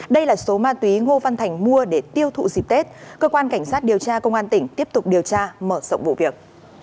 đây là số ma túy ngô văn thành mua để tiêu thụ dịp tết cơ quan cảnh sát điều tra công an tỉnh tiếp tục điều tra mở rộng vụ việc